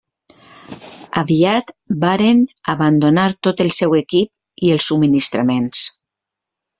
Aviat varen abandonar tot el seu equip i els subministraments.